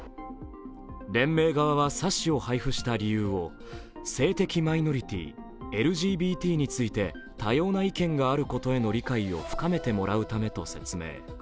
連盟側は、冊子を配布した理由を性的マイノリティー＝ＬＧＢＴについて多様な意見があることへの理解を深めてもらうためと説明。